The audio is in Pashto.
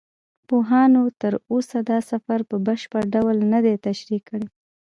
پوهانو تر اوسه دا سفر په بشپړ ډول نه دی تشریح کړی.